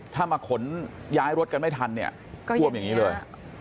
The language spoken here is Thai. ถ้ามาขนย้ายรถกันไม่ทันเนี่ยท่วมอย่างนี้เลย